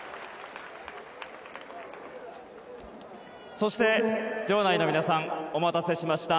そして場内の皆さんお待たせしました。